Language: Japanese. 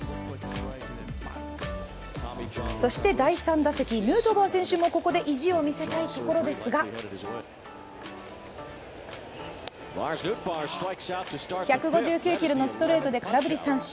そして第３打席、ヌートバー選手もここで意地を見せたいところですが１５９キロのストレートで空振り三振。